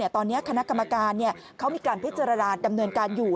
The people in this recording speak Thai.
ตอนนี้คณะกรรมการเขามีการพิจารณาดำเนินการอยู่